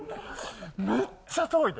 めっちゃ遠いで。